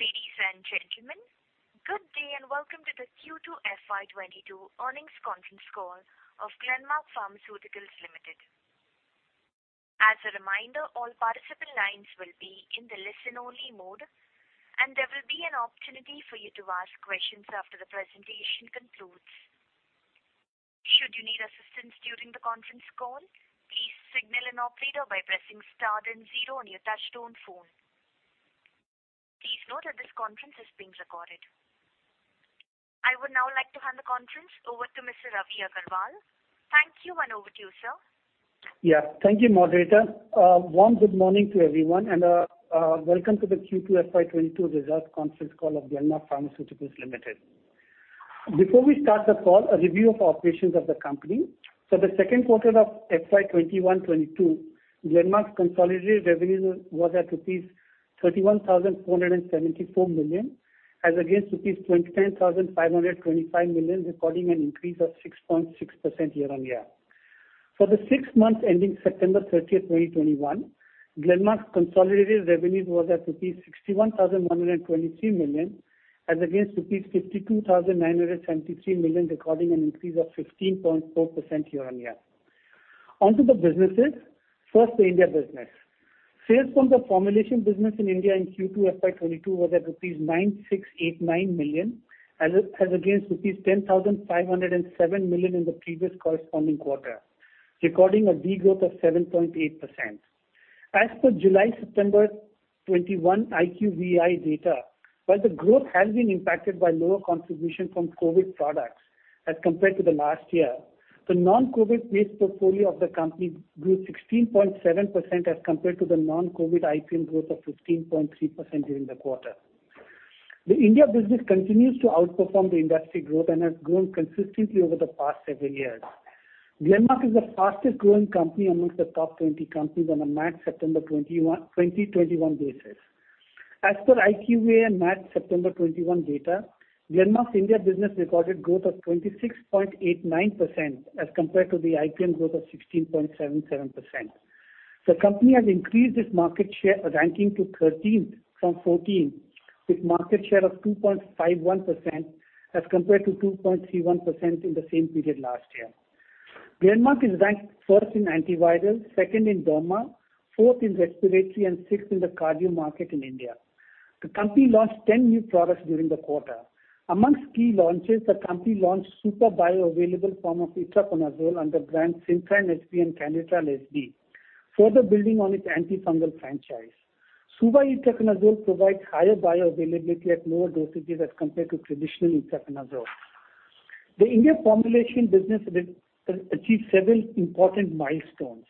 Ladies and gentlemen, good day, and welcome to the Q2 FY 2022 earnings conference call of Glenmark Pharmaceuticals Limited. As a reminder, all participant lines will be in the listen only mode, and there will be an opportunity for you to ask questions after the presentation concludes. Should you need assistance during the conference call, please signal an operator by pressing star then zero on your touchtone phone. Please note that this conference is being recorded. I would now like to hand the conference over to Mr. Ravi Agrawal. Thank you, and over to you, sir. Thank you, moderator. Good morning to everyone and welcome to the Q2 FY 2022 results conference call of Glenmark Pharmaceuticals Limited. Before we start the call, a review of operations of the company. For the second quarter of FY 2021-2022, Glenmark's consolidated revenue was at rupees 31,474 million as against rupees 20,525 million, recording an increase of 6.6% year-on-year. For the six months ending September 30, 2021, Glenmark's consolidated revenue was at 61,123 million, as against 52,973 million, recording an increase of 15.4% year-on-year. Onto the businesses. First, the India business. Sales from the formulation business in India in Q2 FY 2022 was at rupees 9,689 million as against rupees 10,507 million in the previous corresponding quarter, recording a degrowth of 7.8%. As per July-September 2021 IQVIA data, while the growth has been impacted by lower contribution from COVID products as compared to the last year, the non-COVID-based portfolio of the company grew 16.7% as compared to the non-COVID IPM growth of 15.3% during the quarter. The India business continues to outperform the industry growth and has grown consistently over the past several years. Glenmark is the fastest growing company amongst the top 20 companies on a March-September 2021 basis. As per IQVIA in March, September 2021 data, Glenmark's India business recorded growth of 26.89% as compared to the IPM growth of 16.77%. The company has increased its market share ranking to 13th from 14th, with market share of 2.51% as compared to 2.31% in the same period last year. Glenmark is ranked first in antiviral, second in derma, fourth in respiratory and sixth in the cardio market in India. The company launched 10 new products during the quarter. Among key launches, the company launched super bioavailable form of itraconazole under brand Cinfac SB and Canditral SB, further building on its antifungal franchise. SUBA-itraconazole provides higher bioavailability at lower dosages as compared to traditional itraconazole. The India formulation business has achieved several important milestones.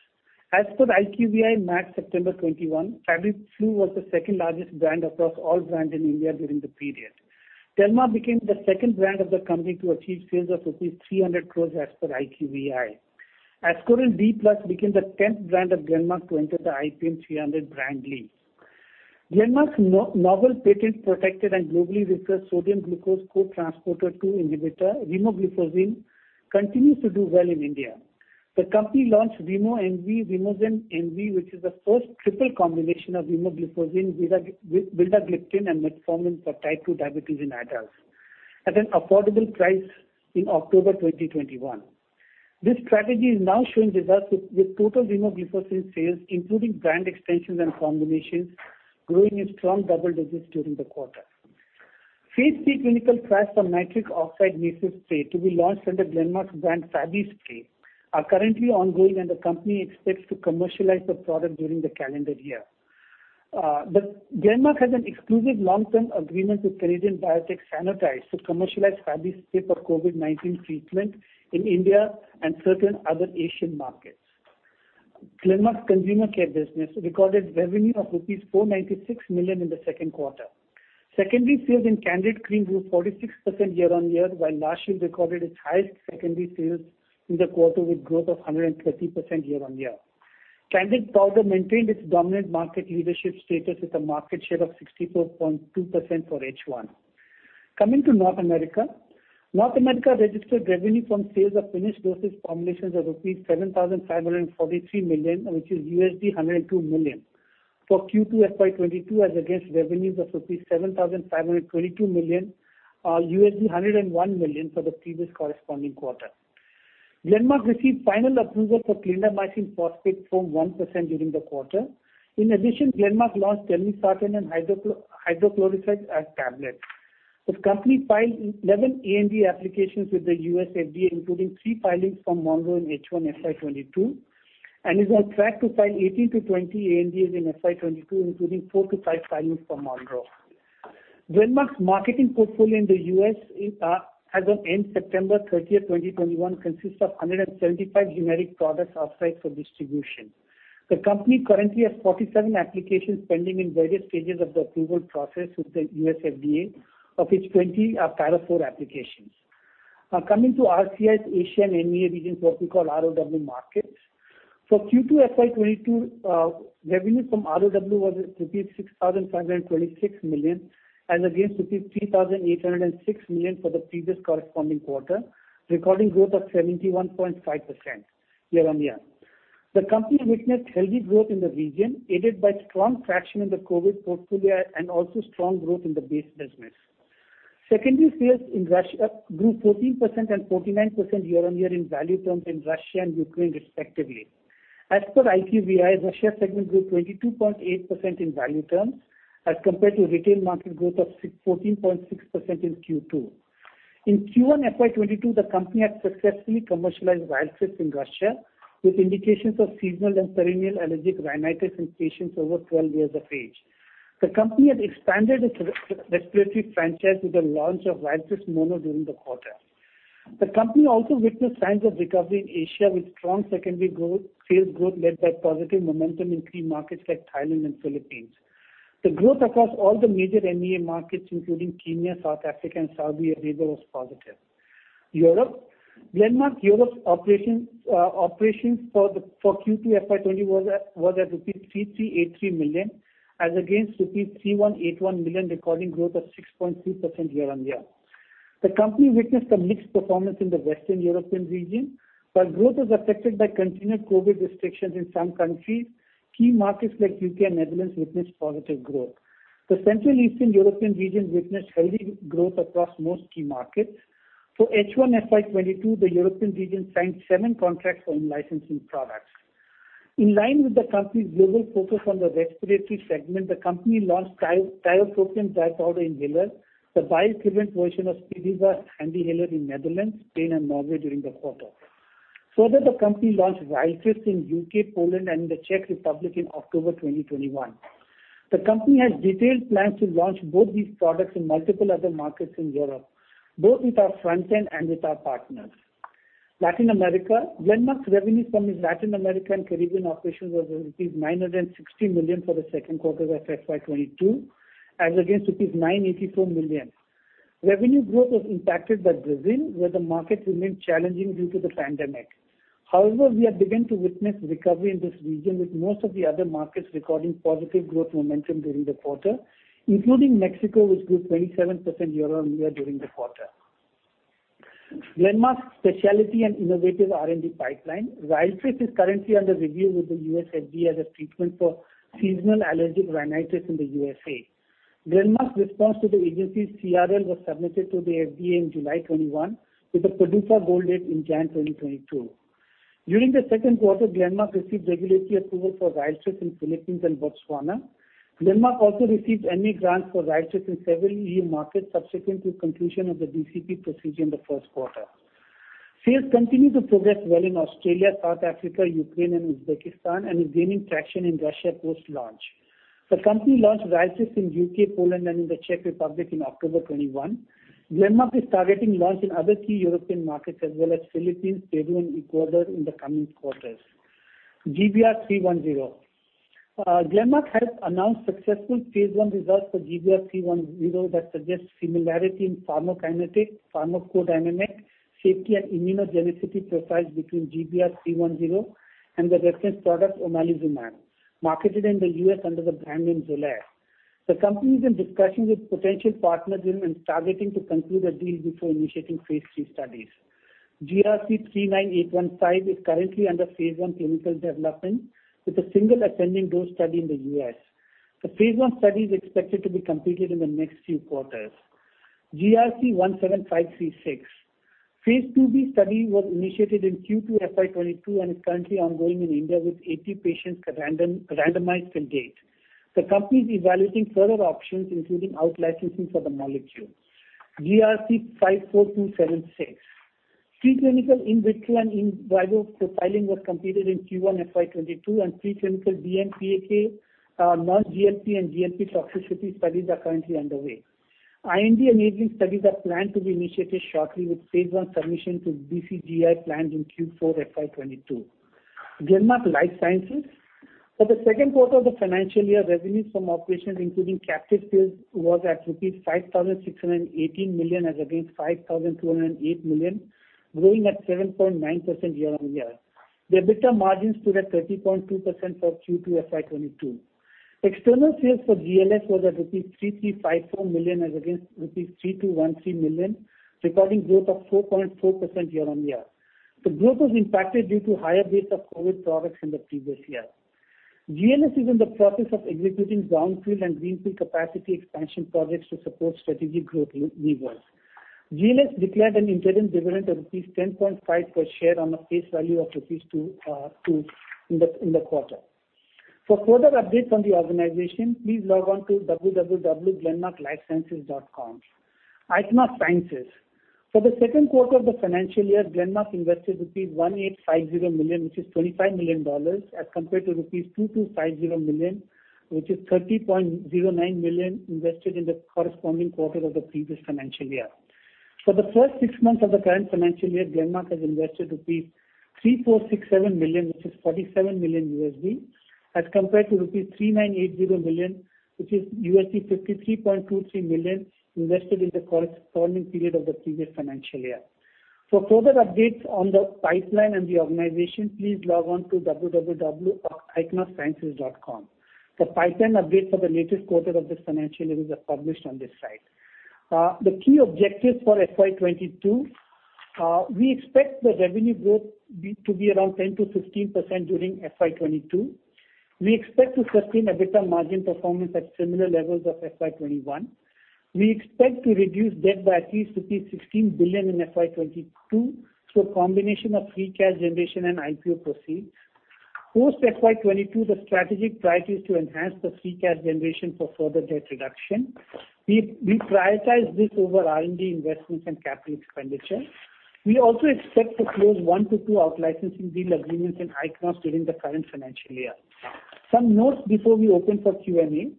As per IQVIA in March, September 2021, FabiFlu was the second-largest brand across all brands in India during the period. Telma became the second brand of the company to achieve sales of rupees 300 crores as per IQVIA. Ascoril D Plus became the tenth brand of Glenmark to enter the IPM 300 brand league. Glenmark's novel patent-protected and globally researched sodium-glucose cotransporter-two inhibitor, remogliflozin, continues to do well in India. The company launched Remo MV, Remozen MV, which is the first triple combination of remogliflozin, vildagliptin, and metformin for type two diabetes in adults at an affordable price in October 2021. This strategy is now showing results with total remogliflozin sales, including brand extensions and combinations, growing in strong double digits during the quarter. Phase III clinical trials for nitric oxide nasal spray to be launched under Glenmark's brand FabiSpray are currently ongoing, and the company expects to commercialize the product during the calendar year. Glenmark has an exclusive long-term agreement with Canadian biotech SaNOtize to commercialize FabiSpray for COVID-19 treatment in India and certain other Asian markets. Glenmark's consumer care business recorded revenue of rupees 496 million in the second quarter. Secondary sales in Candid cream grew 46% year-on-year, while La Shield recorded its highest secondary sales in the quarter with growth of 130% year-on-year. Candid powder maintained its dominant market leadership status with a market share of 64.2% for H1. Coming to North America. North America registered revenue from sales of finished dosage formulations of rupees 7,543 million, which is $102 million for Q2 FY 2022 as against revenues of rupees 7,522 million, $101 million for the previous corresponding quarter. Glenmark received final approval for clindamycin phosphate 1% during the quarter. In addition, Glenmark launched telmisartan and hydrochlorothiazide as tablets. The company filed 11 ANDA applications with the U.S. FDA, including three filings from Monroe in H1 FY 2022, and is on track to file 18-20 ANDAs in FY 2022, including four-five filings from Monroe. Glenmark's marketing portfolio in the U.S., as on end-September 30, 2021, consists of 175 generic products outright for distribution. The company currently has 47 applications pending in various stages of the approval process with the U.S. FDA, of which 20 are Para IV applications. Now coming to RC's Asia and EMEA region, what we call ROW markets. For Q2 FY 2022, revenue from ROW was at 6,526 million as against 3,806 million for the previous corresponding quarter, recording growth of 71.5% year-on-year. The company witnessed healthy growth in the region, aided by strong traction in the COVID portfolio and also strong growth in the base business. Secondary sales in Russia grew 14% and 49% year-on-year in value terms in Russia and Ukraine respectively. As per IQVIA, Russia segment grew 22.8% in value terms as compared to retail market growth of 14.6% in Q2. In Q1 FY 2022, the company had successfully commercialized RYALTRIS in Russia with indications of seasonal and perennial allergic rhinitis in patients over 12 years of age. The company has expanded its respiratory franchise with the launch of RYALTRIS Mono during the quarter. The company also witnessed signs of recovery in Asia with strong secondary growth, sales growth led by positive momentum in key markets like Thailand and Philippines. The growth across all the major MEA markets, including Kenya, South Africa, and Saudi Arabia was positive. Europe. Glenmark Europe operations for Q2 FY 2020 was at rupees 3,383 million as against rupees 3,181 million, recording growth of 6.2% year-on-year. The company witnessed a mixed performance in the Western European region. While growth was affected by continued COVID restrictions in some countries, key markets like U.K. and Netherlands witnessed positive growth. The Central Eastern European region witnessed healthy growth across most key markets. For H1 FY 2022, the European region signed seven contracts for in-licensing products. In line with the company's global focus on the respiratory segment, the company launched tiotropium dry powder inhaler, the bioequivalent version of Spiriva HandiHaler in Netherlands, Spain, and Norway during the quarter. Further, the company launched Ryaltris in U.K., Poland, and in the Czech Republic in October 2021. The company has detailed plans to launch both these products in multiple other markets in Europe, both with our front end and with our partners. Latin America. Glenmark's revenues from its Latin America and Caribbean operations was rupees 960 million for the second quarter of FY 2022 as against rupees 984 million. Revenue growth was impacted by Brazil, where the market remained challenging due to the pandemic. However, we have begun to witness recovery in this region, with most of the other markets recording positive growth momentum during the quarter, including Mexico, which grew 27% year-on-year during the quarter. Glenmark's specialty and innovative R&D pipeline. RYALTRIS is currently under review with the U.S. FDA as a treatment for seasonal allergic rhinitis in the U.S. Glenmark's response to the agency's CRL was submitted to the FDA in July 2021, with a PDUFA goal date in January 2022. During the second quarter, Glenmark received regulatory approval for RYALTRIS in Philippines and Botswana. Glenmark also received MA grants for RYALTRIS in several EU markets subsequent to conclusion of the DCP procedure in the first quarter. Sales continue to progress well in Australia, South Africa, Ukraine, and Uzbekistan, and is gaining traction in Russia post-launch. The company launched RYALTRIS in U.K., Poland, and in the Czech Republic in October 2021. Glenmark is targeting launch in other key European markets as well as Philippines, Peru, and Ecuador in the coming quarters. GBR310. Glenmark has announced successful phase I results for GBR310 that suggests similarity in pharmacokinetic, pharmacodynamic, safety, and immunogenicity profiles between GBR310 and the reference product omalizumab, marketed in the U.S. under the brand name Xolair. The company is in discussion with potential partners and is targeting to conclude a deal before initiating phase III studies. GRC39815 is currently under phase I clinical development with a single ascending dose study in the U.S. The phase I study is expected to be completed in the next few quarters. GRC17536. Phase IIb study was initiated in Q2 FY 2022 and is currently ongoing in India with 80 patients randomized to date. The company is evaluating further options, including out-licensing for the molecule GRC 54276. Preclinical in vitro and in vivo profiling was completed in Q1 FY 2022, and preclinical DMPK non-GLP and GLP toxicity studies are currently underway. IND-enabling studies are planned to be initiated shortly, with phase I submission to DCGI planned in Q4 FY 2022. Glenmark Life Sciences. For the second quarter of the financial year, revenues from operations including captive sales was at rupees 5,618 million as against 5,208 million, growing at 7.9% year-on-year. The EBITDA margins stood at 30.2% for Q2 FY 2022. External sales for GLS was at rupees 3,354 million as against rupees 3,213 million, recording growth of 4.4% year-on-year. The growth was impacted due to higher base of COVID products in the previous year. GLS is in the process of executing brownfield and greenfield capacity expansion projects to support strategic growth initiatives. GLS declared an interim dividend of rupees 10.5 per share on a face value of rupees 2 in the quarter. For further updates on the organization, please log on to www.glenmarklifesciences.com. Ichnos Sciences. For the second quarter of the financial year, Glenmark invested rupees 1,850 million, which is $25 million as compared to rupees 2,250 million, which is $30.09 million invested in the corresponding quarter of the previous financial year. For the first six months of the current financial year, Glenmark has invested rupees 3,467 million, which is $47 million as compared to rupees 3,980 million, which is $53.23 million invested in the corresponding period of the previous financial year. For further updates on the pipeline and the organization, please log on to www.ichnossciences.com. The pipeline updates for the latest quarter of this financial year are published on this site. The key objectives for FY 2022. We expect the revenue growth to be around 10%-15% during FY 2022. We expect to sustain EBITDA margin performance at similar levels of FY 2021. We expect to reduce debt by at least 16 billion in FY 2022 through a combination of free cash generation and IPO proceeds. Post FY 2022, the strategic priority is to enhance the free cash generation for further debt reduction. We prioritize this over R&D investments and capital expenditure. We also expect to close one-two out-licensing deal agreements in Ichnos during the current financial year. Some notes before we open for Q&A.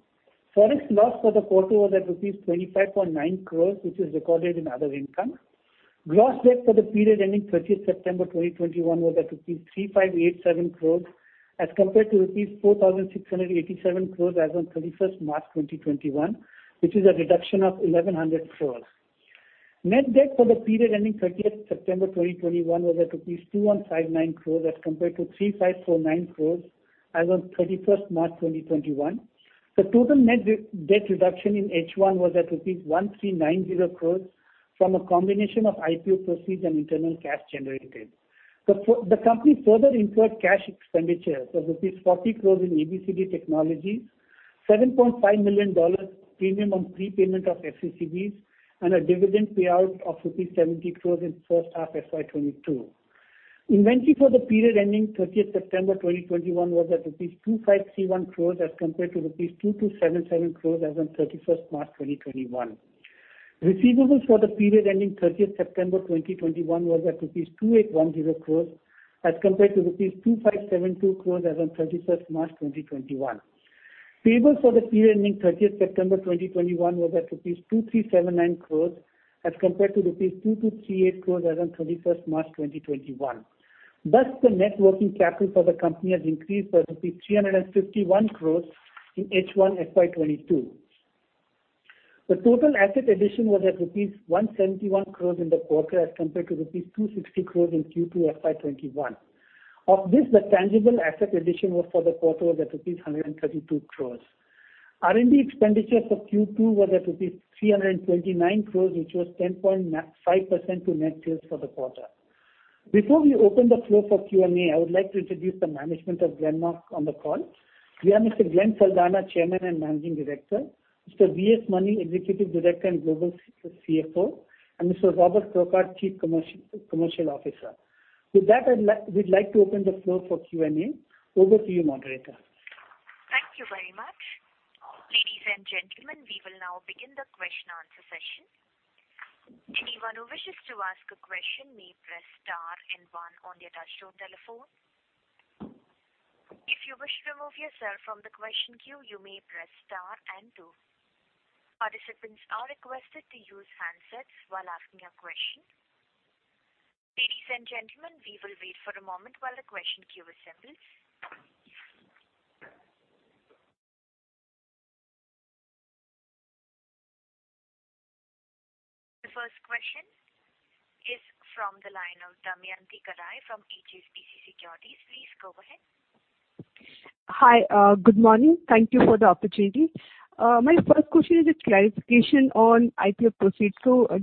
Forex loss for the quarter was at INR 25.9 crores, which is recorded in other income. Gross debt for the period ending 30th September 2021 was at 3,587 crores as compared to 4,687 crores as on 31st March 2021, which is a reduction of 1,100 crores. Net debt for the period ending 30th September 2021 was at rupees 2,159 crores as compared to 3,549 crores as on 31st March 2021. The total net debt reduction in H1 was at rupees 1,390 crores from a combination of IPO proceeds and internal cash generated. The company further incurred cash expenditures of 40 crores in ABCD Technologies, $7.5 million premium on prepayment of FCCBs, and a dividend payout of rupees 70 crores in first half FY 2022. Inventory for the period ending 30th September 2021 was at 2,531 crores as compared to 2,277 crores as on 31st March 2021. Receivables for the period ending 30th September 2021 was at INR 2,810 crores as compared to INR 2,572 crores as on 31st March 2021. Payables for the period ending 30 September 2021 was at rupees 2,379 crores as compared to rupees 2,238 crores as on 31 March 2021. Thus, the net working capital for the company has increased by 351 crores in H1 FY 2022. The total asset addition was at rupees 171 crores in the quarter as compared to rupees 260 crores in Q2 FY 2021. Of this, the tangible asset addition for the quarter was at rupees 132 crores. R&D expenditures for Q2 were at rupees 329 crores, which was 10.5% to net sales for the quarter. Before we open the floor for Q&A, I would like to introduce the management of Glenmark on the call. We have Mr. Glenn Saldanha, Chairman and Managing Director, Mr. V.S. Mani, Executive Director and Global CFO, and Mr. Robert Crockart, Chief Commercial Officer. With that, we'd like to open the floor for Q&A. Over to you, moderator. Thank you very much. Ladies and gentlemen, we will now begin the question answer session. Anyone who wishes to ask a question may press star and one on their touchtone telephone. If you wish to remove yourself from the question queue, you may press star and two. Participants are requested to use handsets while asking a question. Ladies and gentlemen, we will wait for a moment while the question queue assembles. The first question is from the line of Damayanti Kerai from HSBC Securities. Please go ahead. Hi. Good morning. Thank you for the opportunity. My first question is a clarification on IPO proceeds.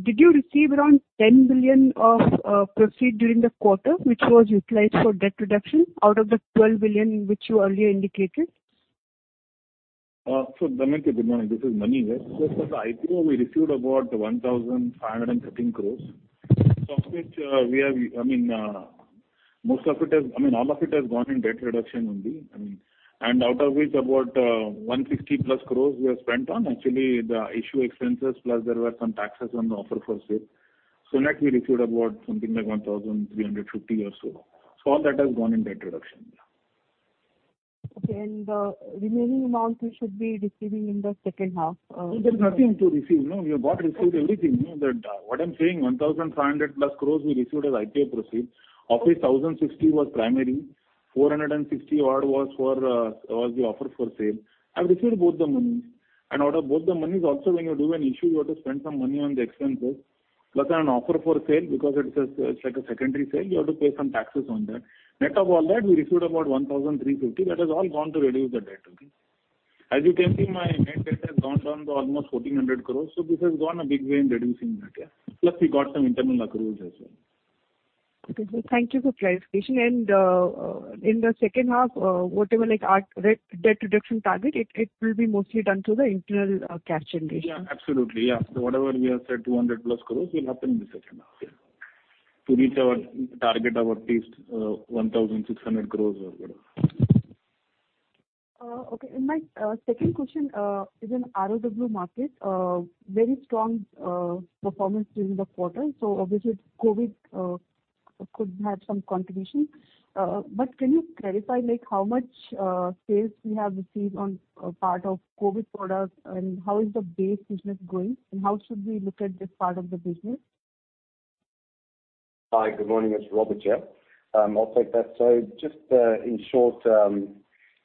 Did you receive around 10 billion of proceeds during the quarter, which was utilized for debt reduction out of the 12 billion which you earlier indicated? Damayanti, good morning. This is Mani here. For the IPO, we received about 1,513 crore, of which all of it has gone in debt reduction only. I mean, and out of which, about 160+ crore we have spent on actually the issue expenses, plus there were some taxes on the offer for sale. Net we received about something like 1,350 or so. All that has gone in debt reduction. Yeah. Okay. Remaining amount you should be receiving in the second half. No, there's nothing to receive. No. We have received everything. That's what I'm saying, 1,500+ crore we received as IPO proceeds. Of which 1,060 crore was primary, 460-odd crore was for the offer for sale. I've received both the moneys. Out of both the moneys also when you do an issue, you have to spend some money on the expenses, plus an offer for sale because it's like a secondary sale. You have to pay some taxes on that. Net of all that, we received about 1,350 crore. That has all gone to reduce the debt only. As you can see, my net debt has gone down to almost 1,400 crore, so this has gone a big way in reducing that. Plus we got some internal accruals as well. Okay. Thank you for clarification. In the second half, whatever like our debt reduction target, it will be mostly done through the internal cash generation. Absolutely. Whatever we have said, 200+ crores will happen in the second half to reach our target of at least 1,600 crores or whatever. Okay. My second question is in ROW market, very strong performance during the quarter. Obviously COVID could have some contribution. Can you clarify, like how much sales you have received on part of COVID products, and how is the base business going, and how should we look at this part of the business? Hi, good morning. It's Robert here. I'll take that. Just, in short,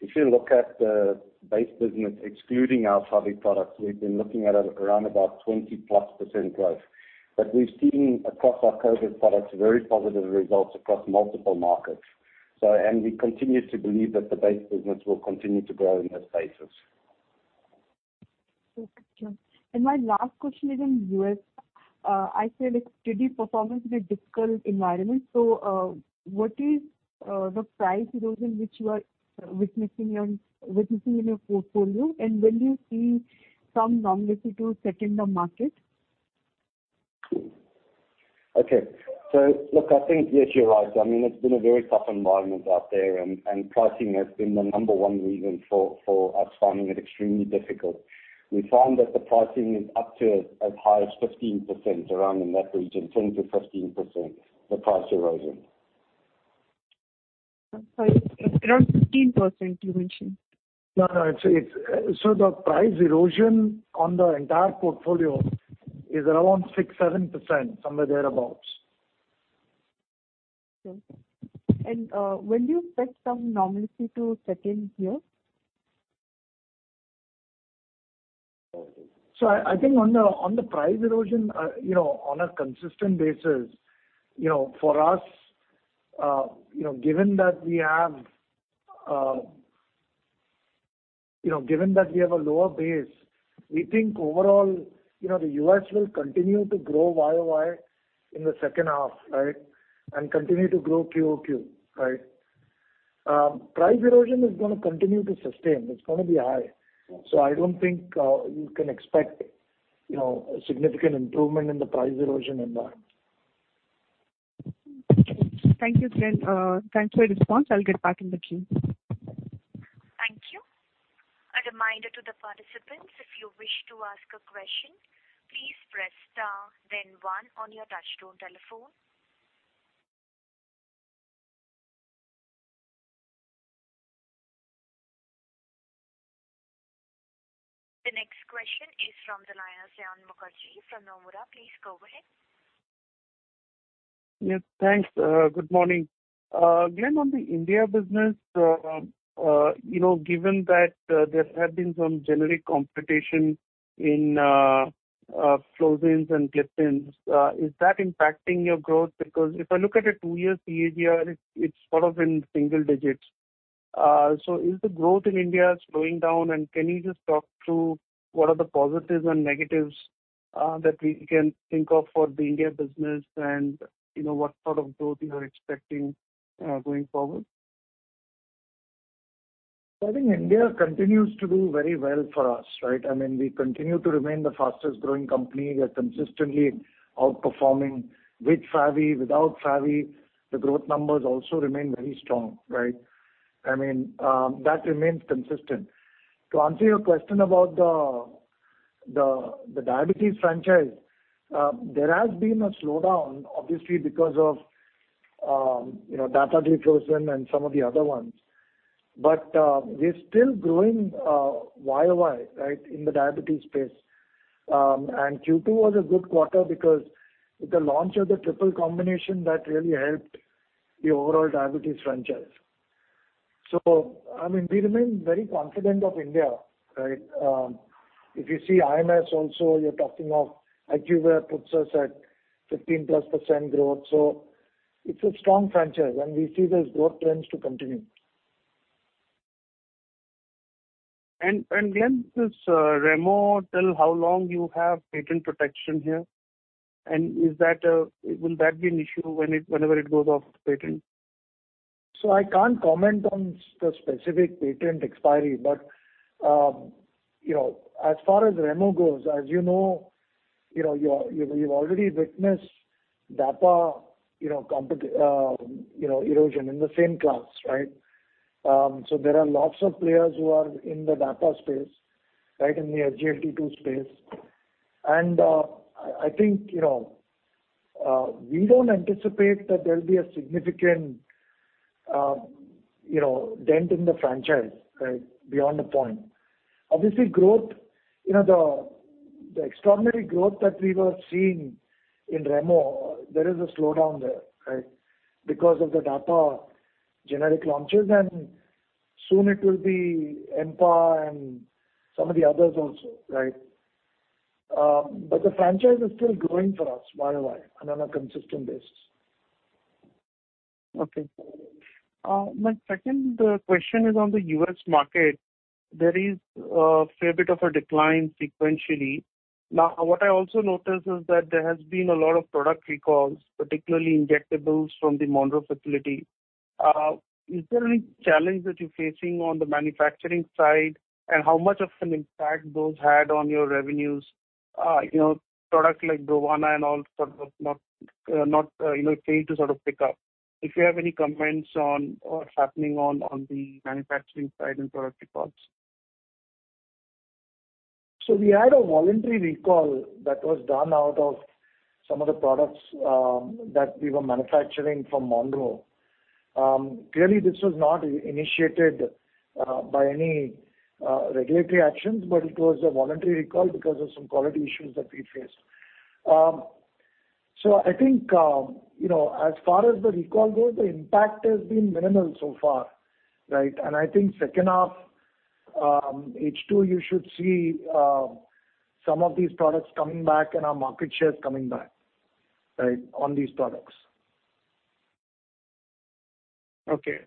if you look at the base business excluding our COVID products, we've been looking at around about 20%+ growth. We've seen across our COVID products very positive results across multiple markets. We continue to believe that the base business will continue to grow in those spaces. Okay. My last question is in U.S. I feel it's pretty good performance in a difficult environment. What is the price erosion which you are witnessing in your portfolio? When you see some normalcy to set in the market? Okay. Look, I think, yes, you're right. I mean, it's been a very tough environment out there, and pricing has been the number one reason for us finding it extremely difficult. We found that the pricing is up to as high as 15%, around in that region, 10%-15%, the price erosion. Sorry, it's around 15% you mentioned. No, no. The price erosion on the entire portfolio is around 6%-7%, somewhere thereabout. Okay. When do you expect some normalcy to set in here? I think on the price erosion, you know, on a consistent basis, you know, for us, you know, given that we have a lower base, we think overall, you know, the U.S. will continue to grow year-over-year in the second half, right? Continue to grow quarter-over-quarter, right? Price erosion is gonna continue to sustain. It's gonna be high. I don't think you can expect, you know, a significant improvement in the price erosion environment. Thank you, Glen. Thanks for your response. I'll get back in the queue. Thank you. A reminder to the participants, if you wish to ask a question, please press star then one on your touchtone telephone. The next question is from Saion Mukherjee from Nomura. Please go ahead. Yes, thanks. Good morning. Glen, on the India business, you know, given that, there have been some generic competition in, Flozins and Gliptins, is that impacting your growth? Because if I look at a two-year CAGR, it's sort of in single digits. So is the growth in India slowing down? Can you just talk through what the positives and negatives are that we can think of for the India business and, you know, what sort of growth you are expecting, going forward? I think India continues to do very well for us, right? I mean, we continue to remain the fastest growing company. We are consistently outperforming with FabiFlu, without FabiFlu, the growth numbers also remain very strong, right? I mean, that remains consistent. To answer your question about the diabetes franchise, there has been a slowdown, obviously, because of, you know, dapagliflozin being frozen and some of the other ones. We're still growing year-over-year, right, in the diabetes space. Q2 was a good quarter because the launch of the triple combination that really helped the overall diabetes franchise. I mean, we remain very confident of India, right? If you see IMS also, IQVIA puts us at 15%+ growth. It's a strong franchise, and we see those growth trends to continue. Glen, this Remo, till how long do you have patent protection here? Will that be an issue whenever it goes off the patent? I can't comment on specific patent expiry, but, you know, as far as Remo goes, as you know, you've already witnessed dapagliflozin erosion in the same class, right? There are lots of players who are in the dapagliflozin space, right, in the SGLT-2 space. I think, you know, we don't anticipate that there'll be a significant, you know, dent in the franchise, right, beyond a point. Obviously, growth, the extraordinary growth that we were seeing in Remo, there is a slowdown there, right, because of the dapa generic launches, and soon it will be empagliflozin and some of the others also, right? The franchise is still growing for us year-over-year and on a consistent basis. Okay. My second question is on the U.S. market. There is a fair bit of a decline sequentially. Now, what I also noticed is that there has been a lot of product recalls, particularly injectables from the Monroe facility. Is there any challenge that you're facing on the manufacturing side? And how much of an impact those had on your revenues? You know, products like Brovana and all sort of not fail to sort of pick up. If you have any comments on what's happening on the manufacturing side and product recalls. We had a voluntary recall that was done out of some of the products that we were manufacturing from Monroe. Clearly, this was not initiated by any regulatory actions, but it was a voluntary recall because of some quality issues that we faced. I think you know, as far as the recall goes, the impact has been minimal so far, right? I think second half, H2, you should see some of these products coming back and our market shares coming back, right, on these products. Okay.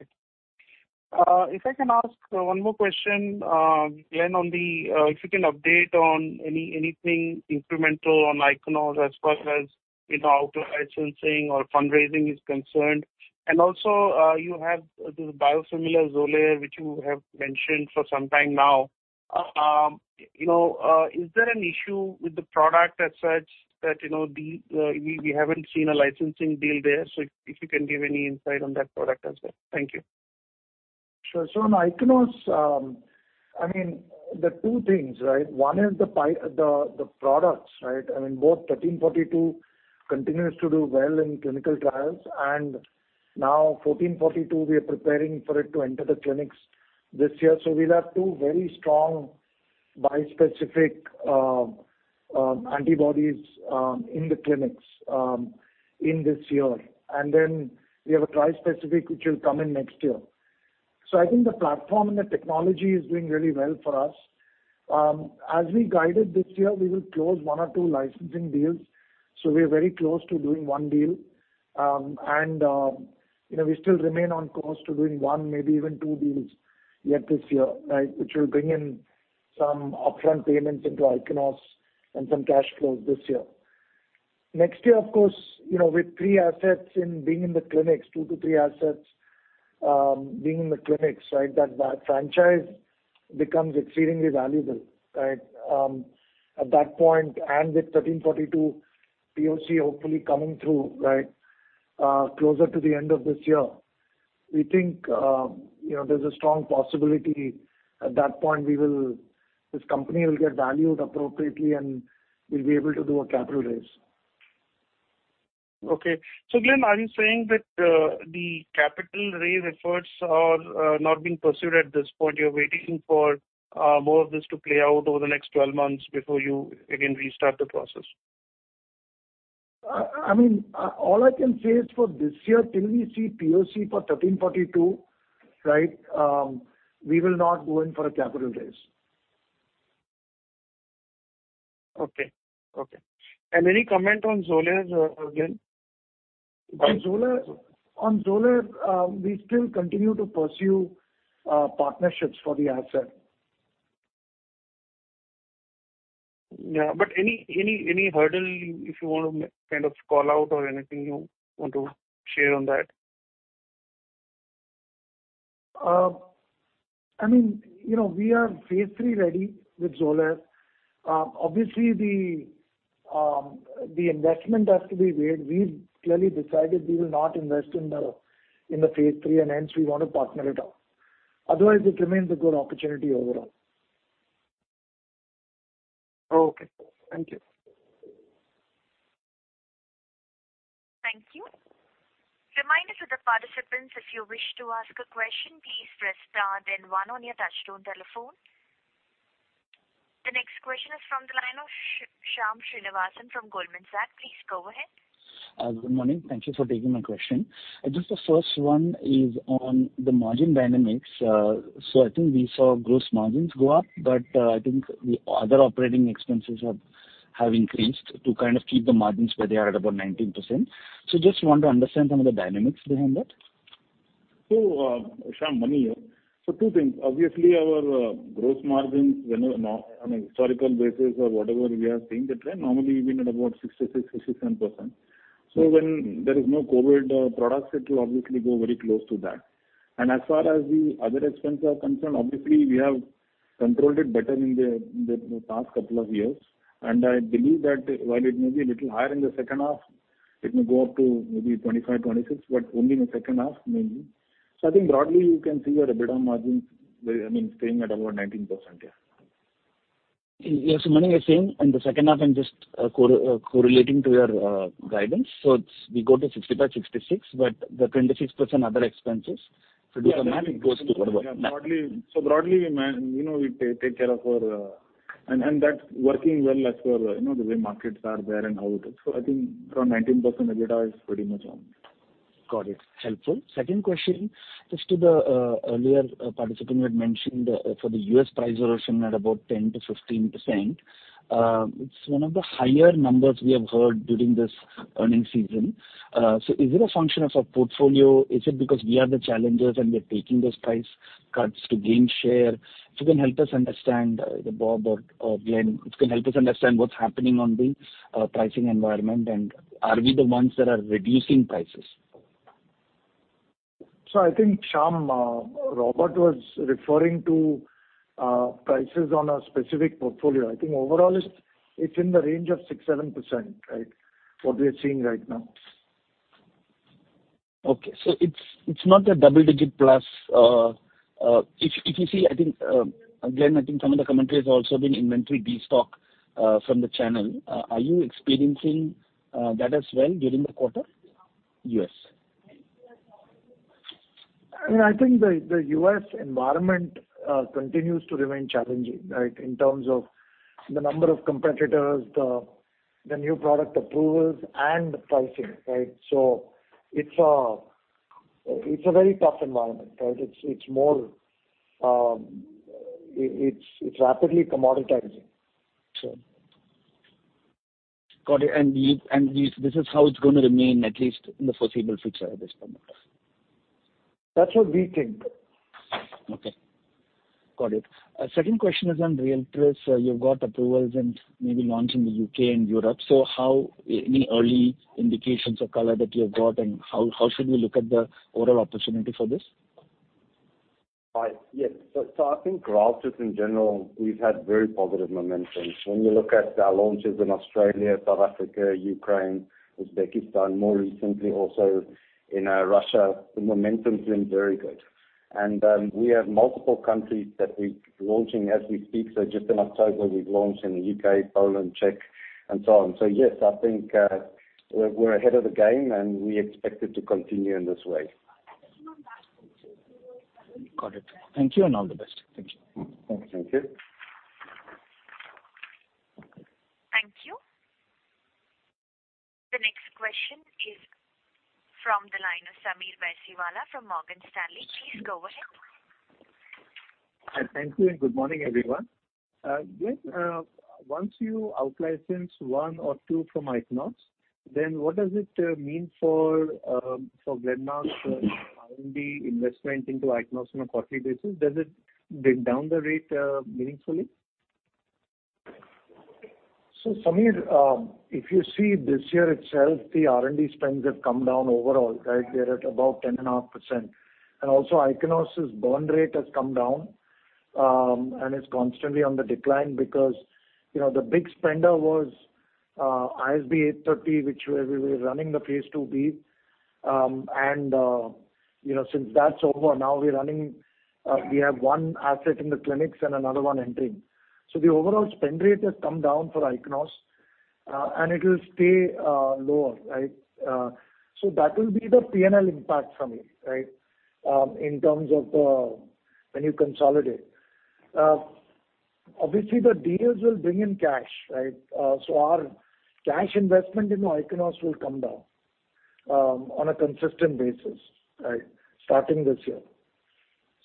If I can ask one more question, Glenn, if you can update on anything incremental on Ichnos as far as, you know, out-licensing or fundraising is concerned. Also, you have the biosimilar Xolair, which you have mentioned for some time now. You know, is there an issue with the product as such that, you know, we haven't seen a licensing deal there? If you can give any insight on that product as well. Thank you. Sure. On Ichnos, I mean, there are two things, right? One is the products, right? I mean, both ISB 1342 continues to do well in clinical trials, and now ISB 1442, we are preparing for it to enter the clinics this year. We'll have two very strong bispecific antibodies in the clinics in this year. Then we have a trispecific which will come in next year. I think the platform and the technology is doing really well for us. As we guided this year, we will close one or two licensing deals, we are very close to doing one deal. And, you know, we still remain on course to doing one, maybe even two deals yet this year, right, which will bring in some upfront payments into Ichnos and some cash flows this year. Next year, of course, you know, with two to three assets being in the clinics, that franchise becomes exceedingly valuable, right. At that point, and with ISB 1342 POC hopefully coming through, right, closer to the end of this year, we think, you know, there's a strong possibility at that point this company will get valued appropriately, and we'll be able to do a capital raise. Okay. Glenn, are you saying that the capital raise efforts are not being pursued at this point? You're waiting for more of this to play out over the next 12 months before you again restart the process? I mean, all I can say is for this year, till we see POC for ISB 1342, right, we will not go in for a capital raise. Okay. Any comment on Xolair, Glen? On Xolair, we still continue to pursue partnerships for the asset. Yeah. Any hurdle you, if you wanna kind of call out or anything you want to share on that? I mean, you know, we are phase III ready with Xolair. Obviously the investment has to be made. We've clearly decided we will not invest in the phase III, and hence we want to partner it out. Otherwise, it remains a good opportunity overall. Okay. Thank you. Thank you. Reminder to the participants, if you wish to ask a question, please press star then one on your touchtone telephone. The next question is from the line of Shyam Srinivasan from Goldman Sachs. Please go ahead. Good morning. Thank you for taking my question. Just the first one is on the margin dynamics. I think we saw gross margins go up, but I think the other operating expenses have increased to kind of keep the margins where they are at about 19%. Just want to understand some of the dynamics behind that. Shyam, Mani here. Two things. Obviously, our gross margins on a historical basis or whatever, we are seeing the trend normally being at about 66-67%. When there is no COVID products, it will obviously go very close to that. As far as the other expenses are concerned, obviously we have controlled it better in the past couple of years. I believe that while it may be a little higher in the second half, it may go up to maybe 25-26, but only in the second half mainly. I think broadly you can see our EBITDA margins, I mean, staying at about 19%, yeah. Yes, Mani. I was saying in the second half, I'm just correlating to your guidance. It's we go to 65, 66, but the 26% other expenses- Yeah. Do the math, it goes to about that. Broadly, you know, we take care of our, and that's working well as per, you know, the way markets are there and how it is. I think from 19% EBITDA is pretty much on. Got it. Helpful. Second question, just to the earlier participant who had mentioned for the U.S. price erosion at about 10%-15%. It's one of the higher numbers we have heard during this earnings season. Is it a function of our portfolio? Is it because we are the challengers and we are taking those price cuts to gain share? If you can help us understand, Bob or Glen, if you can help us understand what's happening on the pricing environment, and are we the ones that are reducing prices? I think, Sham, Robert was referring to prices on a specific portfolio. I think overall it's in the range of 6%-7%, right? What we are seeing right now. Okay. It's not a double-digit plus. If you see, I think, Glenn, I think some of the commentary has also been inventory destock from the channel. Are you experiencing that as well during the quarter? U.S. I mean, I think the U.S. environment continues to remain challenging, right? In terms of the number of competitors, the new product approvals and the pricing, right? It's a very tough environment, right? It's more rapidly commoditizing, so. Got it. This is how it's gonna remain at least in the foreseeable future at this point. That's what we think. Okay. Got it. Second question is on RYALTRIS. You've got approvals and maybe launch in the U.K. and Europe. Any early indications or color that you have got, and how should we look at the overall opportunity for this? Yes. I think RYALTRIS in general, we've had very positive momentum. When you look at our launches in Australia, South Africa, Ukraine, Uzbekistan, more recently also in Russia, the momentum's been very good. We have multiple countries that we're launching as we speak. Just in October, we've launched in the U.K., Poland, Czech, and so on. Yes, I think we're ahead of the game and we expect it to continue in this way. Got it. Thank you, and all the best. Thank you. Thank you. Thank you. The next question is from the line of Sameer Baisiwala from Morgan Stanley. Please go ahead. Hi. Thank you, and good morning, everyone. Glen, once you out-license one or two from Ichnos, then what does it mean for Glenmark's R&D investment into Ichnos on a quarterly basis? Does it bring down the rate meaningfully? Sameer, if you see this year itself, the R&D spends have come down overall, right? They're at about 10.5%. Also Ichnos' burn rate has come down, and it's constantly on the decline because you know the big spender was ISB 830, which we were running the phase IIb. You know, since that's over, now we're running, we have one asset in the clinic and another one entering. The overall spend rate has come down for Ichnos, and it will stay lower, right? That will be the P&L impact for me, right? In terms of when you consolidate. Obviously the deals will bring in cash, right? Our cash investment in Ichnos will come down on a consistent basis, right? Starting this year.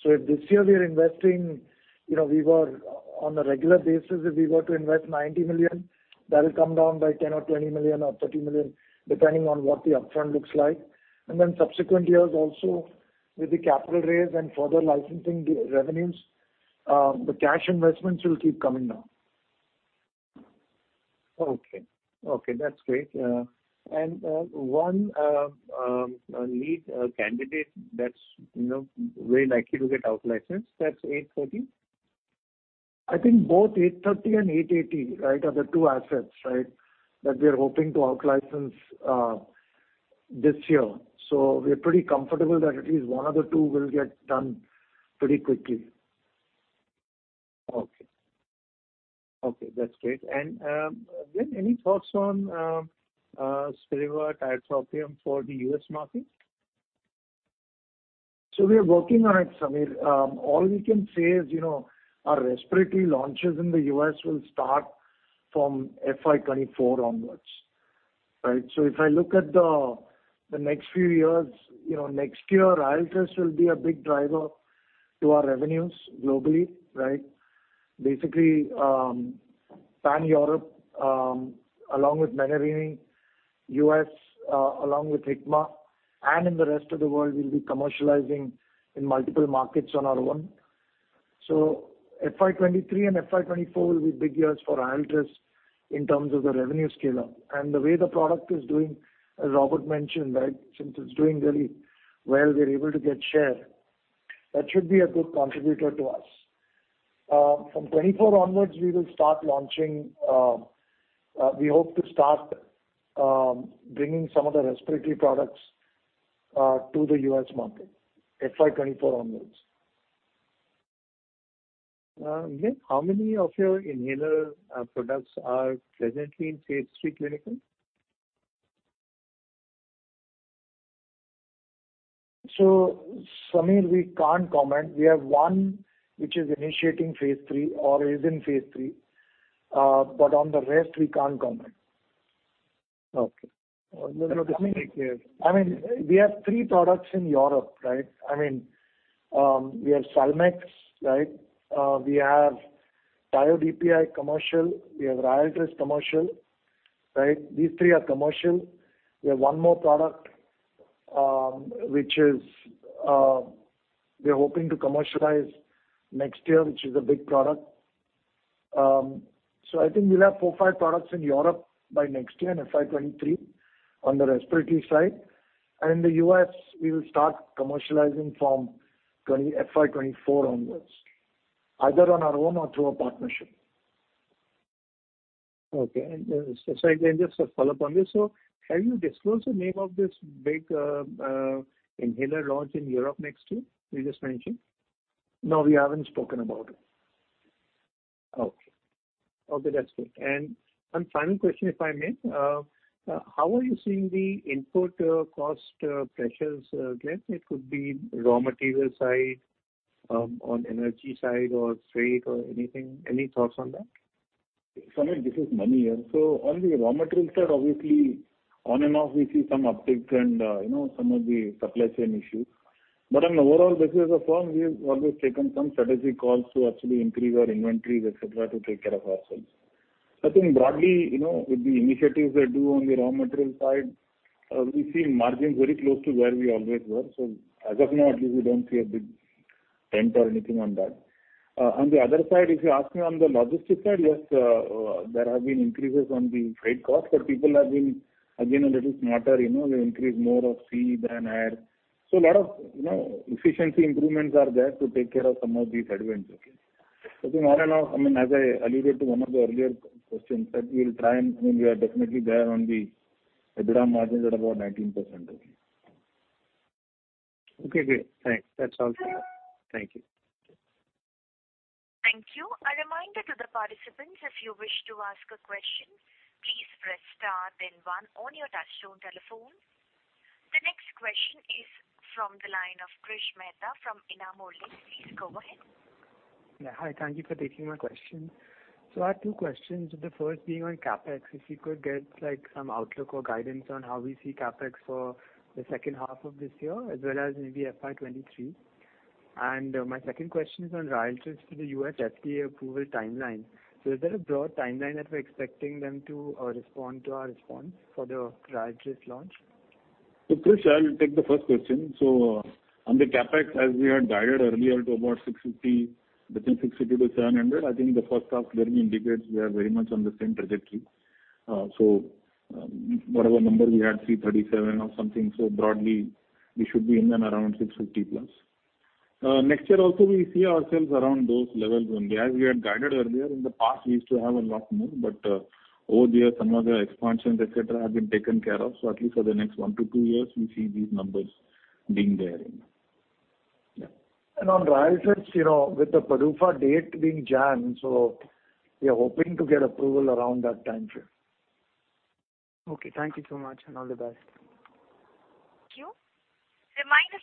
If this year we are investing, you know, we were on a regular basis, if we were to invest 90 million, that'll come down by 10 million or 20 million or 30 million, depending on what the upfront looks like. Then subsequent years also with the capital raise and further licensing revenues, the cash investments will keep coming down. Okay, that's great. One lead candidate that's, you know, very likely to get out licensed, that's ISB 830? I think both ISB 830 and ISB 880, right, are the two assets, right, that we are hoping to out-license this year. We're pretty comfortable that at least one of the two will get done pretty quickly. Okay, that's great. Glen, any thoughts on Spiriva, tiotropium for the U.S. market? We are working on it, Sameer. All we can say is, you know, our respiratory launches in the U.S. will start from FY 2024 onwards, right? If I look at the next few years, you know, next year RYALTRIS will be a big driver to our revenues globally, right? Basically, pan-Europe, along with Menarini, U.S., along with Hikma, and in the rest of the world we'll be commercializing in multiple markets on our own. FY 2023 and FY 2024 will be big years for RYALTRIS in terms of the revenue scale-up. The way the product is doing, as Robert mentioned, right, since it's doing really well, we're able to get share. That should be a good contributor to us. From 2024 onwards, we hope to start bringing some of the respiratory products to the U.S. market, FY 2024 onwards. Glen, how many of your inhaler products are presently in phase III clinical? Sameer, we can't comment. We have one which is initiating phase III or is in phase III. On the rest we can't comment. Okay. No, no. I mean, we have three products in Europe, right? I mean, we have Salmex, right? We have budesonide DPI commercial, we have RYALTRIS commercial, right? These three are commercial. We have one more product, which is, we're hoping to commercialize next year, which is a big product. So I think we'll have four, five products in Europe by next year in FY 2023 on the respiratory side. In the U.S. we will start commercializing from FY 2024 onwards, either on our own or through a partnership. Okay. Sorry, can I just follow up on this? Can you disclose the name of this big inhaler launch in Europe next year you just mentioned? No, we haven't spoken about it. Okay. Okay, that's great. One final question, if I may. How are you seeing the input cost pressures, Glen? It could be raw material side, on energy side or freight or anything. Any thoughts on that? Sameer, this is V.S. Mani. On the raw material side, obviously, on and off we see some uptick and, you know, some of the supply chain issues. On an overall basis as a firm, we've always taken some strategic calls to actually improve our inventories, et cetera, to take care of ourselves. I think broadly, you know, with the initiatives we do on the raw material side, we see margins very close to where we always were. As of now, at least, we don't see a big Nitin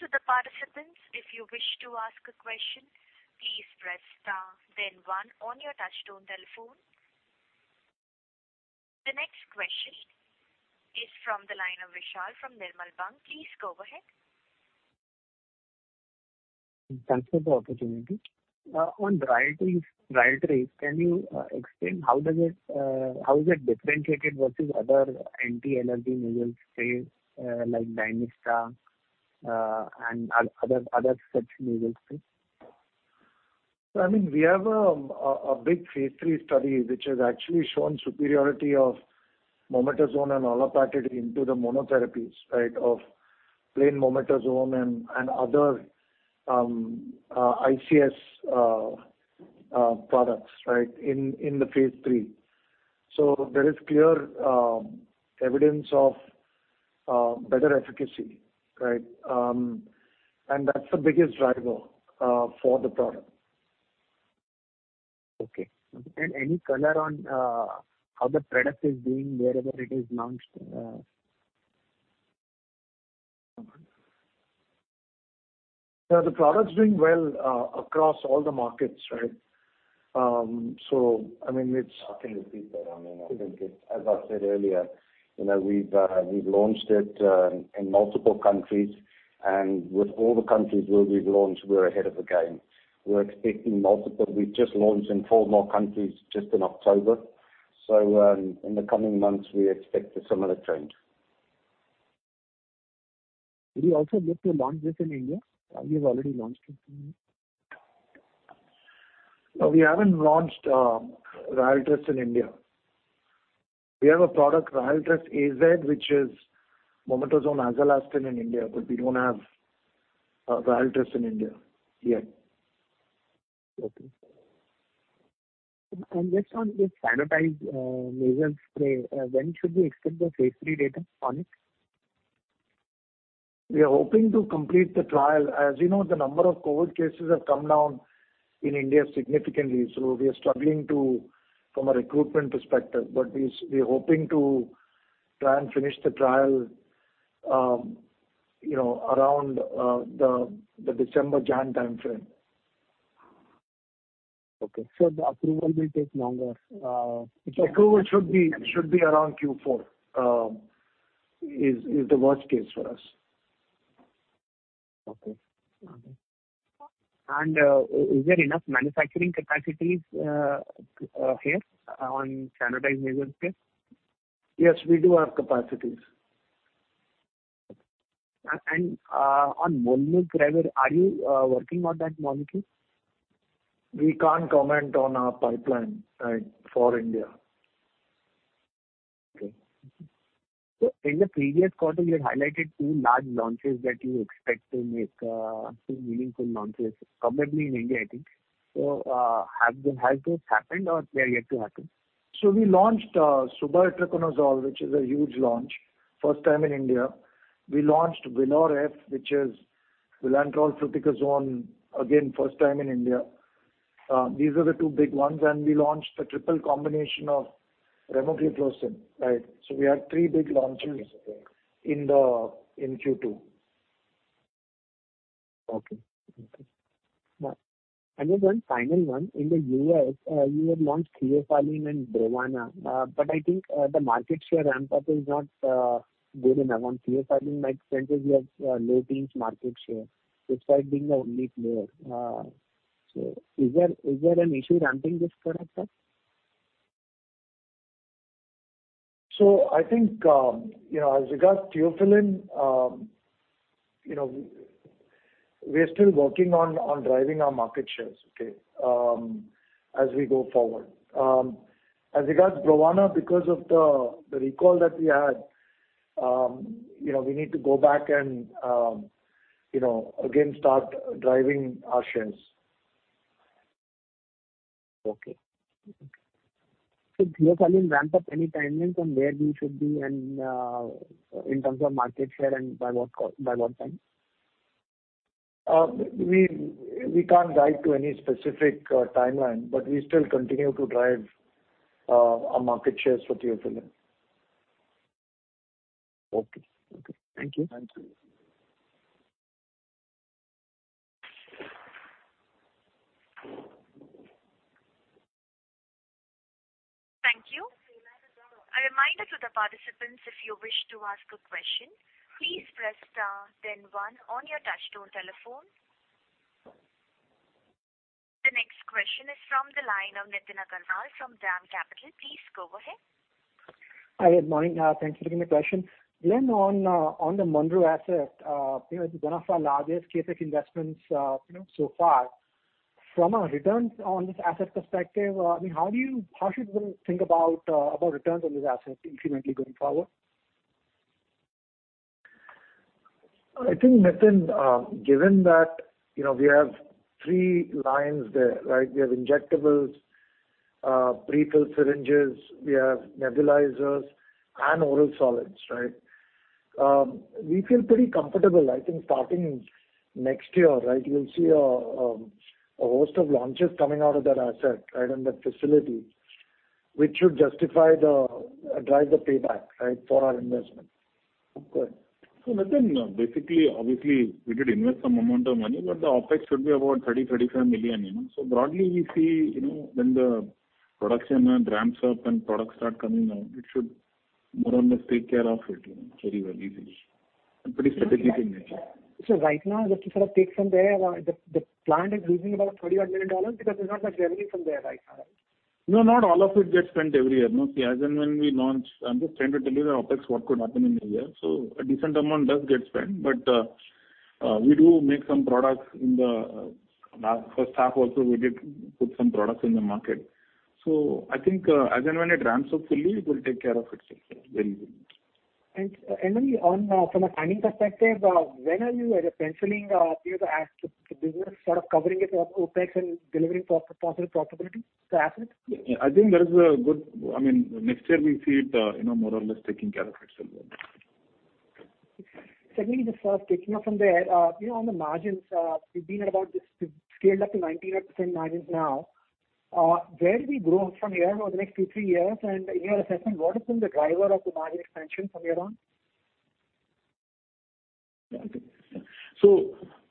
Agarwal from DAM Capital. Please go ahead. Hi, good morning. Thanks for taking the question. Glenn, on the Monroe asset, you know, it's one of our largest CapEx investments, you know, so far. From a returns on this asset perspective, I mean, how should one think about about returns on this asset incrementally going forward? I think, Nitin, given that, you know, we have three lines there, right? We have injectables, pre-filled syringes, we have nebulizers and oral solids, right? We feel pretty comfortable. I think starting next year, right, you'll see a host of launches coming out of that asset, right, and that facility, which should justify the drive the payback, right, for our investment. Okay. Nitin, basically, obviously we did invest some amount of money, but the OpEx should be about $35 million. Broadly we see, you know, when the production ramps up and products start coming out, it should more or less take care of it, you know, very well, easily. Pretty strategically. Right now, just to sort of take from there, the plant is losing about $30-odd million because there's not much revenue from there right now, right? No, not all of it gets spent every year. No. See, as and when we launch, I'm just trying to tell you the OpEx what could happen in a year. A decent amount does get spent, but we do make some products in the first half. Also we did put some products in the market. I think, as and when it ramps up fully, it will take care of itself very well. From a timing perspective, when are you penciling, you know, the business sort of covering its OpEx and delivering possible profitability to the asset? Yeah, I think there is a good, I mean, next year we see it, you know, more or less taking care of itself. Secondly, just sort of kicking off from there, you know, on the margins, we've been at about this scaled up to 19-odd% margins now. Where do we go from here over the next two-three years? And in your assessment, what has been the driver of the margin expansion from here on? Nitin,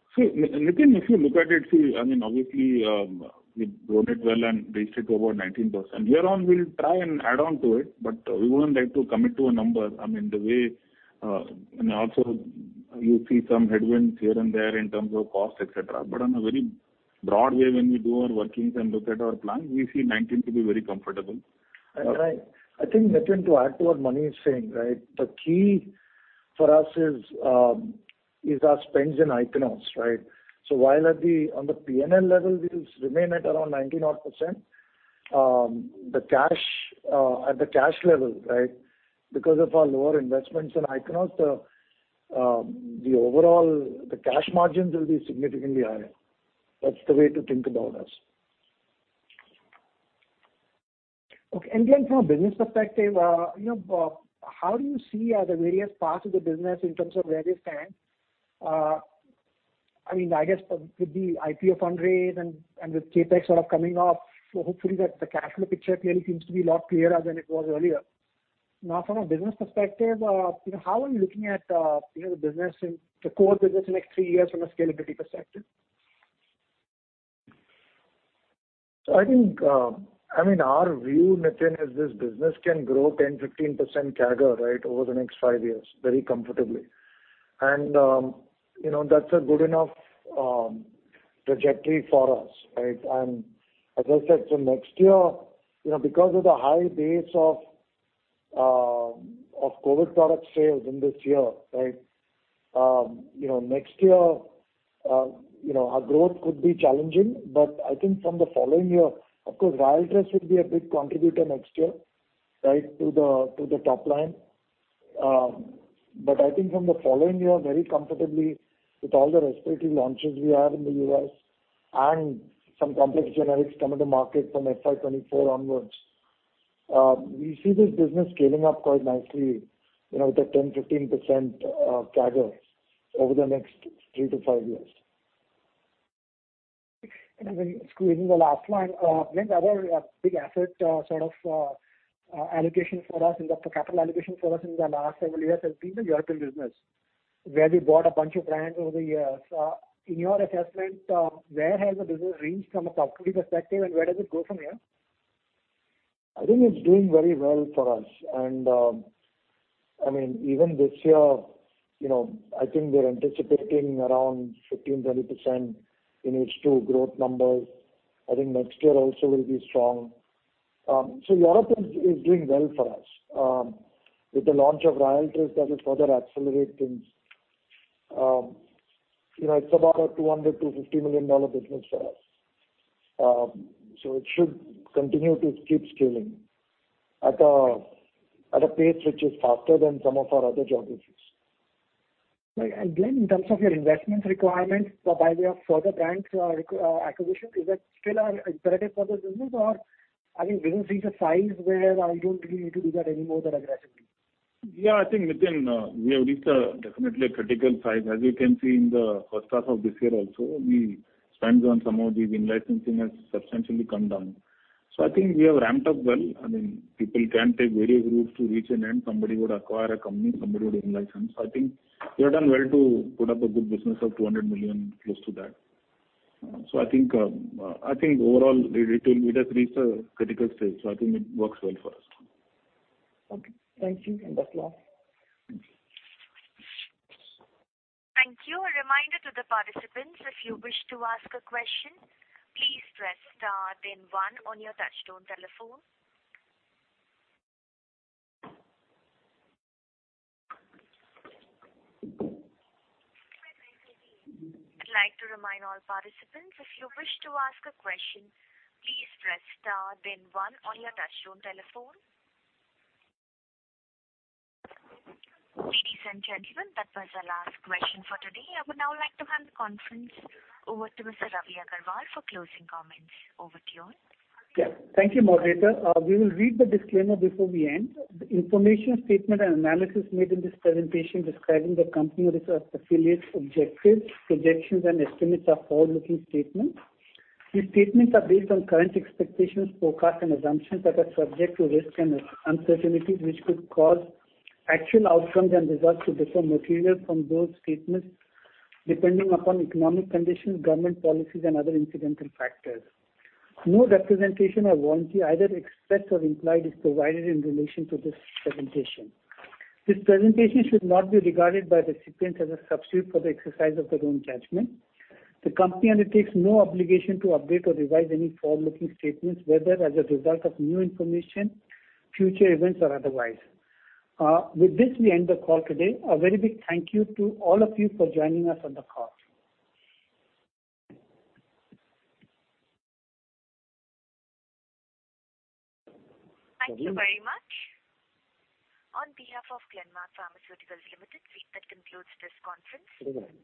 if you look at it, see, I mean obviously, we've grown it well and reached it to about 19%. Hereon we'll try and add on to it, but we wouldn't like to commit to a number. I mean, the way, and also you see some headwinds here and there in terms of cost, et cetera. On a very broad way, when we do our workings and look at our plan, we see 19 to be very comfortable. I think Nitin, to add to what Mani is saying. The key for us is our spends in Ichnos. While on the P&L level, we'll remain at around 19 odd%. The cash at the cash level. Because of our lower investments in Ichnos, the overall cash margins will be significantly higher. That's the way to think about us. Then from a business perspective, you know, how do you see the various parts of the business in terms of where they stand? I mean, I guess with the IPO fundraise and with CapEx sort of coming off, so hopefully that the cash flow picture clearly seems to be a lot clearer than it was earlier. Now, from a business perspective, you know, how are you looking at, you know, the core business in the next three years from a scalability perspective? I think, I mean, our view, Nitin, is this business can grow 10%-15% CAGR, right, over the next 5 years very comfortably. You know, that's a good enough trajectory for us, right? As I said, next year, you know, because of the high base of of COVID product sales in this year, right, you know, next year, you know, our growth could be challenging, but I think from the following year, of course, RYALTRIS should be a big contributor next year, right, to the top line. I think from the following year, very comfortably with all the respiratory launches we have in the U.S. and some complex generics coming to market from FY 2024 onwards, we see this business scaling up quite nicely, you know, with a 10%-15% CAGR over the next 3-5 years. Squeezing the last one. Glenn, the other big asset, sort of, capital allocation for us in the last several years has been the European business, where we bought a bunch of brands over the years. In your assessment, where has the business reached from a stability perspective, and where does it go from here? I think it's doing very well for us. I mean, even this year, you know, I think we're anticipating around 15%-20% in H2 growth numbers. I think next year also will be strong. Europe is doing well for us. With the launch of RYALTRIS, that will further accelerate things. You know, it's about a $200 million-$250 million business for us. It should continue to keep scaling at a pace which is faster than some of our other geographies. Right. Glen, in terms of your investment requirements by way of further brands or acquisitions, is that still an imperative for the business? Or, I mean, has the business reached a size where I don't really need to do that anymore that aggressively. Yeah, I think, Nitin, we have reached definitely a critical size. As you can see in the first half of this year also, we spends on some of these in-licensing has substantially come down. I think we have ramped up well. I mean, people can take various routes to reach an end. Somebody would acquire a company, somebody would in-license. I think we have done well to put up a good business of 200 million, close to that. I think overall it has reached a critical stage, I think it works well for us. Okay. Thank you. That's last. Thank you. A reminder to the participants, if you wish to ask a question, please press star then one on your touchtone telephone. I'd like to remind all participants, if you wish to ask a question, please press star then one on your touchtone telephone. Ladies and gentlemen, that was the last question for today. I would now like to hand the conference over to Mr. Ravi Agarwal for closing comments. Over to you. Yeah. Thank you, moderator. We will read the disclaimer before we end. The information, statement, and analysis made in this presentation describing the company or its affiliates objectives, projections, and estimates are forward-looking statements. These statements are based on current expectations, forecasts, and assumptions that are subject to risks and uncertainties, which could cause actual outcomes and results to differ materially from those statements depending upon economic conditions, government policies, and other incidental factors. No representation or warranty, either express or implied, is provided in relation to this presentation. This presentation should not be regarded by recipients as a substitute for the exercise of their own judgment. The company undertakes no obligation to update or revise any forward-looking statements, whether as a result of new information, future events, or otherwise. With this, we end the call today. A very big thank you to all of you for joining us on the call. Thank you very much. On behalf of Glenmark Pharmaceuticals Limited, that concludes this conference.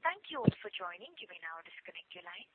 Thank you all for joining. You may now disconnect your line.